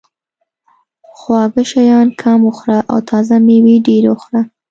خواږه شیان کم وخوره او تازه مېوې ډېرې وخوره.